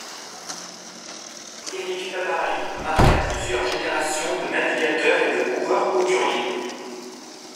Éric Tabarly marqua plusieurs générations de navigateurs et de coureurs hauturiers.